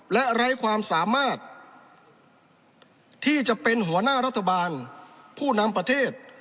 และไร้ความสามารถที่จะเป็นหัวหน้ารัฐบาลผู้นำประเทศ